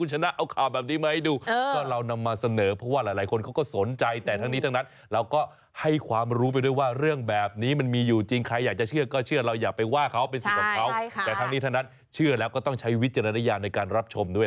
หลายคนติ้งผมมา